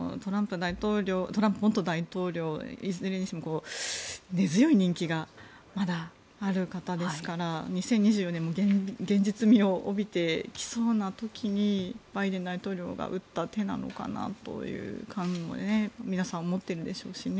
トランプ元大統領はいずれにしても根強い人気がまだある方ですから２０２４年も現実味を帯びてきそうな時にバイデン大統領が打った手なのかなという感も皆さん思っているでしょうしね。